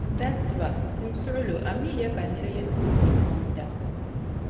Dasiba. Dim suɣlo, amii ya ka nira yɛn tooi nyɛ kom n da?